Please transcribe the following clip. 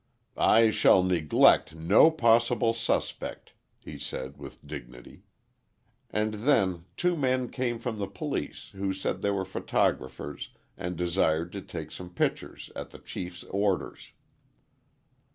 "I shall neglect no possible suspect," he said, with dignity. And then two men came from the police, who said they were photographers and desired to take some pictures, at the Chief's orders.